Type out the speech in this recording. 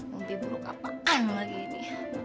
mumpi buruk apaan lagi ini